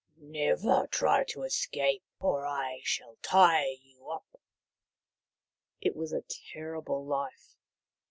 " Never try to escape or I shall tie you up." It was a terrible life.